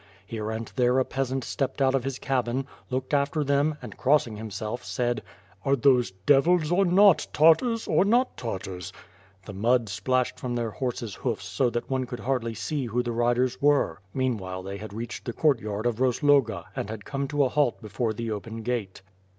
Here and there a peasant stepped out of his cabin, looked after them and, crossing himself, said, "Are those devils or not, Tartars or not Tartars? The mud splashed from their horses* hoofs so that one could hardly see who the riders were. Meanwhile they had reached the court yard of Rozloga and had come to a halt before the open gate.